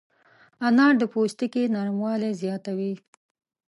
انار د پوستکي نرموالی زیاتوي.